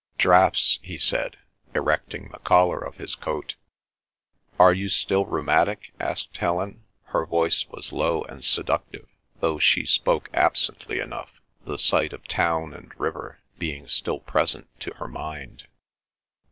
"Draughts," he said, erecting the collar of his coat. "You are still rheumatic?" asked Helen. Her voice was low and seductive, though she spoke absently enough, the sight of town and river being still present to her mind.